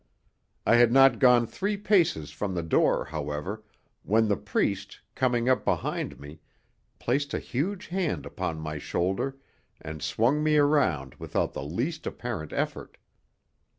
I had not gone three paces from the door, however, when the priest, coming up behind me, placed a huge hand upon my shoulder and swung me around without the least apparent effort.